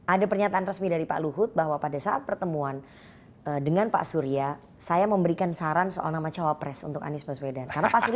ada pernyataan resmi dari pak luhut bahwa pada saat pertemuan dengan pak surya saya memberikan saran soal nama cawapres untuk anies baswedan